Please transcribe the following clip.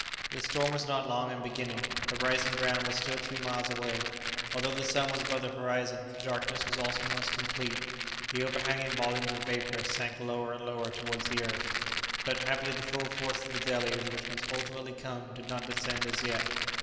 The storm was not long in beginning. The rising ground was still two miles away. Although the sun was above the horizon, the darkness was almost complete; the overhanging volumes of vapour sank lower and lower towards the earth, but happily the full force of the deluge which must ultimately come did not descend as yet.